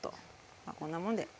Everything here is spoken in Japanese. まあこんなもんで。